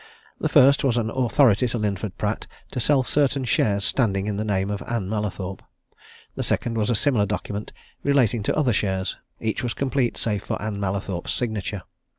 The first was an authority to Linford Pratt to sell certain shares standing in the name of Ann Mallathorpe. The second was a similar document relating to other shares: each was complete, save for Ann Mallathorpe's signature.